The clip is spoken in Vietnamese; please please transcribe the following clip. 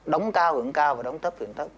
đóng cao hưởng cao và đóng thấp hưởng cao